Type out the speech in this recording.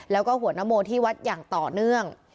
แล้วก็หัวนโมที่วัดอย่างต่อเนื่อง